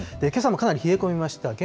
けさもかなり冷え込みました。